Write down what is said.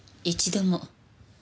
一度も。